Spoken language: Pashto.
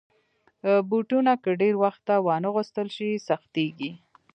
بوټونه که ډېر وخته وانهغوستل شي، سختېږي.